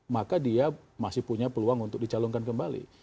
maka dia masih punya peluang untuk dicalonkan kembali